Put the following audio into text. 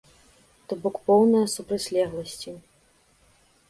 То бок поўныя супрацьлегласці.